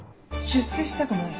出世したくない？